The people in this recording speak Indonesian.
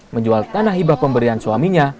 menjual tanah hibah pemberian suaminya